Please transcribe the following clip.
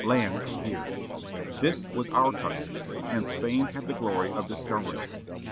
Land appeared! This was our country. And Spain had the glory of discovering it.